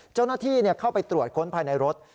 เจ้าหน้าที่เข้าไปตรวจค้นภายในรถ